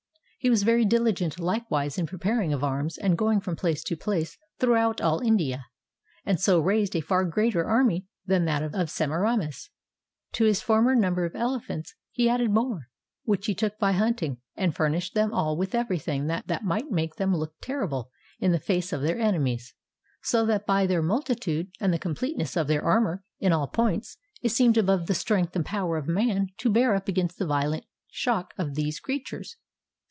He was very dihgent likewise in preparing of arms and going from place to place throughout all India, and so raised a far greater army than that of Semiramis. To his former number of elephants he added more, which he took by hunting, and furnished them all with everything that might make them look terrible in the face of their enemies; so that by their multitude and the completeness of their armor in all points it seemed above the strength and power of man to bear up against the violent shock of these creatures.